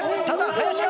林か？